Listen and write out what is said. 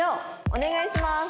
お願いします。